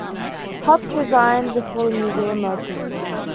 Hopps resigned before the museum opened.